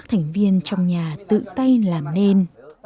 các thành viên trong nhà tự tay làm nên